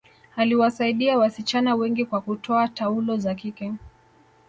aliwasaidia wasichana wengi kwa kutoa taulo za kike